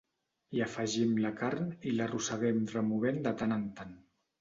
Hi afegim la carn i la rossegem removent de tant en tant.